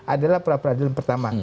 adalah prapradilan pertama